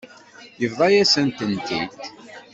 Yebḍa-yasen-tent-id.